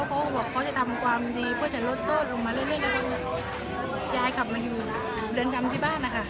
เขาจะปรับตัวได้เขาเปร่งก่อนที่ไม่ได้ค่ะ